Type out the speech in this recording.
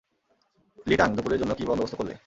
লি Tang, দুপুরের জন্য কী বন্দোবস্ত করলে?